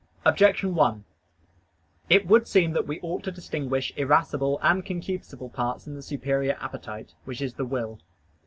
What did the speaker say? Objection 1: It would seem that we ought to distinguish irascible and concupiscible parts in the superior appetite, which is the will.